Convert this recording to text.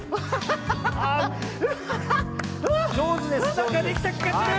なんかできたきがする！